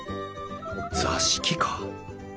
座敷か？